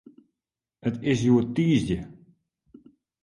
It is hjoed tiisdei.